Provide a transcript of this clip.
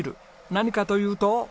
何かというと。